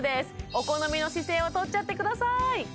お好みの姿勢をとっちゃってください